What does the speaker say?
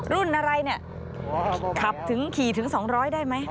รุ่นอะไรเนี่ยขับถึงขี่ถึง๒๐๐ได้ไหม